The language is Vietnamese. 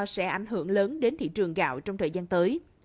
sẽ ảnh hưởng lớn đến thị trường gạo trong thời gian tới